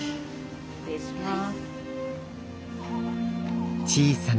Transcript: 失礼します。